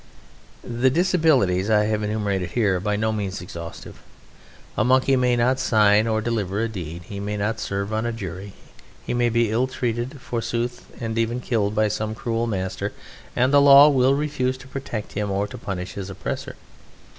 The disabilities I have enumerated are by no means exhaustive. A Monkey may not sign or deliver a deed; he may not serve on a jury; he may be ill treated, forsooth, and even killed by some cruel master, and the law will refuse to protect him or to punish his oppressor.